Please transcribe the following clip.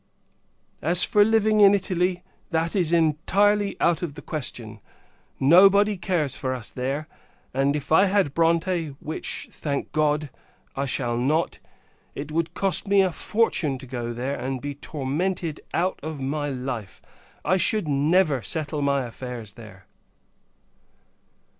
As for living in Italy, that is entirely out of the question. Nobody cares for us, there; and, if I had Bronte which, thank God! I shall not it would cost me a fortune to go there, and be tormented out of my life. I should never settle my affairs there.